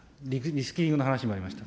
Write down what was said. リスキリングの話もありました。